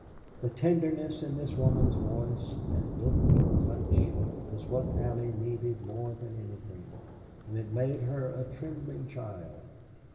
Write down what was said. The tenderness in this woman's voice and look and touch was what Allie needed more than anything, and it made her a trembling child.